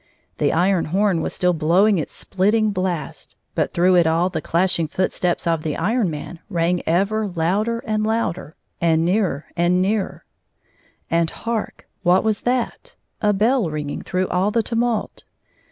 The iron horn was stiU blowmg its sphttmg blast ; but through it all the clashing foot steps of the Iron Man rang ever louder and louder, and nearer and nearer. And hark ! What was that 1 A bell ringing through all the tumult.